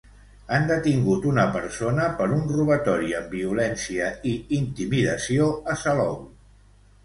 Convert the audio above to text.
Han detingut una persona per un robatori amb violència i intimidació a Salou.